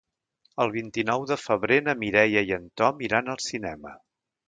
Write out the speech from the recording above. El vint-i-nou de febrer na Mireia i en Tom iran al cinema.